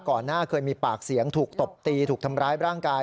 หน้าเคยมีปากเสียงถูกตบตีถูกทำร้ายร่างกาย